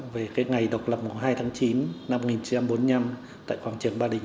về cái ngày độc lập mùng hai tháng chín năm một nghìn chín trăm bốn mươi năm tại quảng trường ba đình